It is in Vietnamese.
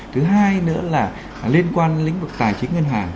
thứ hai nữa là liên quan lĩnh vực tài chính ngân hàng